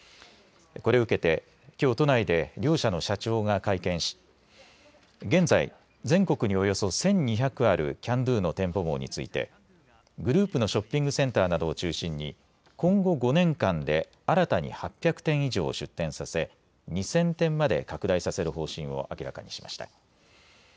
これを受けて、きょう都内で両社の社長が会見し現在全国のおよそ１２００あるキャンドゥの店舗網についてグループのショッピングセンターなどを中心に今後５年間で新たに８００店以上、出店させ２０００店まで拡大させる方針を明らかにしました。